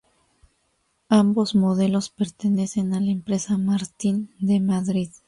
Ambos modelos pertenecen a la Empresa Martín de Madrid.